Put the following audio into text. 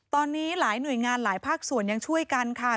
ตอนนี้หลายหน่วยงานหลายภาคส่วนยังช่วยกันค่ะ